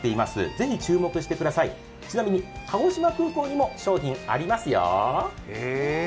ぜひ注目してください、ちなみに鹿児島空港にも商品、ありますよ。